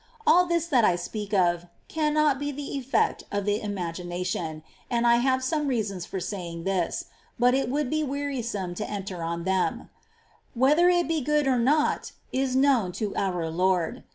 19. All this that I speak of cannot be the effect of the ima gination ; and I have some reasons for saying this, but it would be wearisome to enter on them : whether it be good or not is known to our Lord.